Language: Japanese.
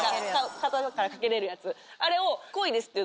肩から掛けれるやつあれを。